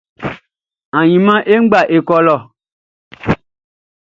Ainman ye nʼgba ye kɔ lɔ.